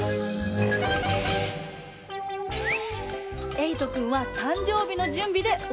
えいとくんはたんじょうびのじゅんびでおおいそがし！